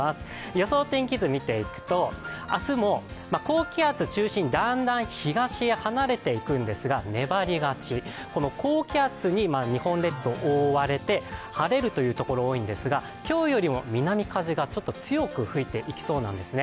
予想天気図見ていくと、明日も高気圧中心、だんだん東へ離れていくんですが、粘り勝ち、この高気圧に日本列島は覆われて晴れるという所、多いんですが今日よりも南風が強く吹いていきそうなんですね。